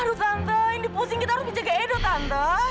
aduh tante indi pusing kita harus menjaga edo tante